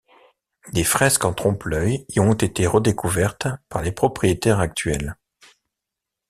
Des fresques en trompe-l'œil y ont été redécouvertes par les propriétaires actuels.